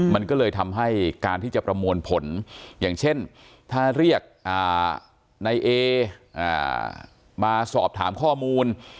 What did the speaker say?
มันก็เลยทำให้การที่จะประมวลผลอย่างเช่นถ้าเรียกในเอมาสอบถามข้อมูล